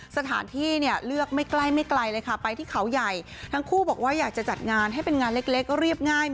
สถานที่เนี่ยเลือกไม่ใกล้ไม่ไกลเลยค่ะไปที่เขาใหญ่ทั้งคู่บอกว่าอยากจะจัดงานให้เป็นงานเล็กเรียบง่าย